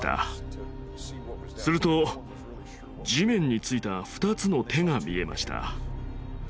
すると地面についた２つの手が見えました。